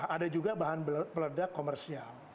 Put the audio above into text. ada juga bahan peledak komersial